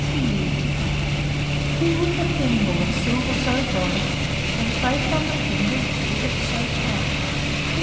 T T was a thimble, Of silver so bright! When placed on the finger, It fitted so tight!